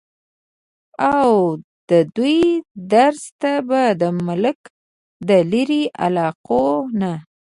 اود دوي درس ته به د ملک د لرې علاقو نه